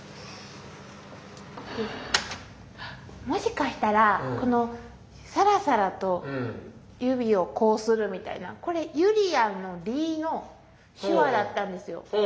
もしかしたらこの「さらさらと」指をこうするみたいなこれゆりやんの「り」の手話だったんですよ。